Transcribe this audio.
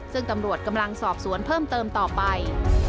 ซึ่งตำรวจกำลังสอบสวนเพิ่มเติมต่อไป